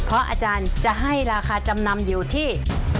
เพราะอาจารย์จะให้ราคาจำนำอยู่ที่